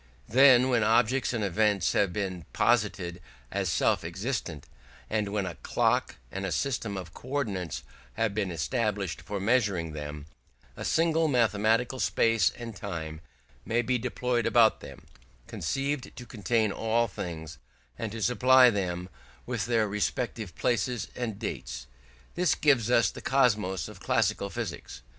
Then, when objects and events have been posited as self existent, and when a "clock" and a system of co ordinates have been established for measuring them, a single mathematical space and time may be deployed about them, conceived to contain all things, and to supply them with their respective places and dates. This gives us the cosmos of classical physics.